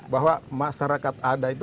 bahwa masyarakat ada itu